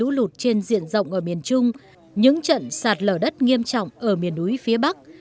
cụ thể là những đợt mưa bão gây lũ lụt trên diện rộng ở miền trung những trận sạt lở đất nghiêm trọng ở miền núi phía bắc